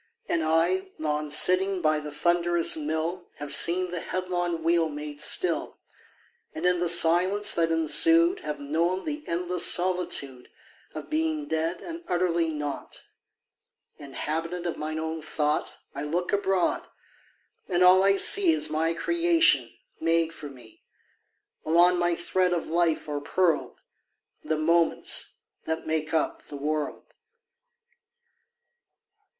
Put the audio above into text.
And I Long sitting by the thunderous mill Have seen the headlong wheel made still, And in the silence that ensued Have known the endless solitude Of being dead and utterly nought. Inhabitant of mine own thought, I look abroad, and all I see Is my creation, made for me: Along my thread of life are pearled The moments that make up the world.